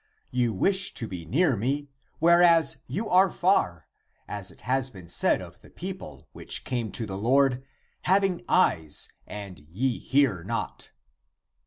You wish to be near me, whereas you are far — as it has been said of the people, which came to the Lord, Having eyes, and ye hear not.